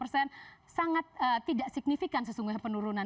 sangat tidak signifikan sesungguhnya penurunan